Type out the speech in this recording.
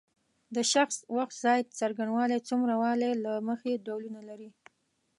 د شخص وخت ځای څرنګوالی څومره والی له مخې ډولونه لري.